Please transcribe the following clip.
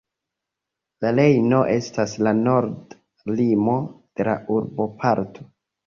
La Rejno estas la norda limo de la urboparto.